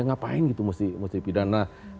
ngapain gitu mesti pidana